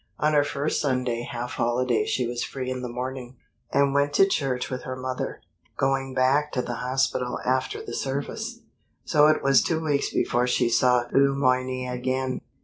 On her first Sunday half holiday she was free in the morning, and went to church with her mother, going back to the hospital after the service. So it was two weeks before she saw Le Moyne again.